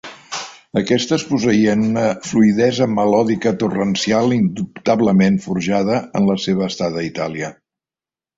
Aquestes posseïen una fluïdesa melòdica torrencial indubtablement forjada en la seva estada a Itàlia.